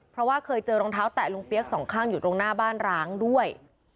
เพราะว่าเคยเจอรองเท้าแตะลุงเปี๊ยกสองข้างอยู่ตรงหน้าบ้านร้างด้วย